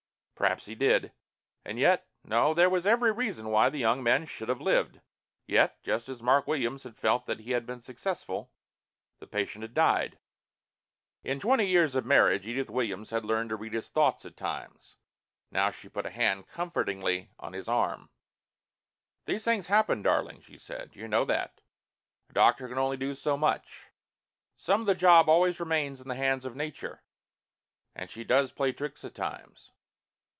Perhaps he did. And yet No, there was every reason why the young man should have lived. Yet, just as Mark Williams had felt that he had been successful, the patient had died. In twenty years of marriage, Edith Williams had learned to read his thoughts at times. Now she put a hand comfortingly on his arm. "These things happen, darling," she said. "You know that. A doctor can only do so much. Some of the job always remains in the hands of Nature. And she does play tricks at times."